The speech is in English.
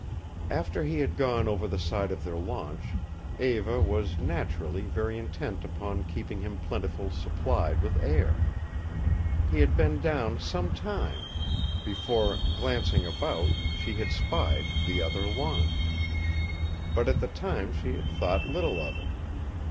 After he had gone over the side of their launch Eva was naturally very intent upon keeping him plentifully supplied with air. He had been down some time before, glancing about, she had spied the other launch. But at the time she had thought little of it.